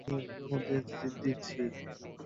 তোমাকে উপদেশ দিচ্ছি।